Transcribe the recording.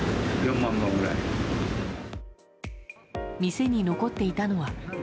店に残っていたのは。